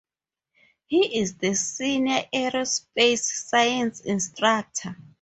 He is the Senior Aerospace Science Instructor.